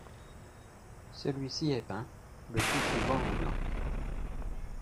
Celui-ci est peint, le plus souvent en blanc.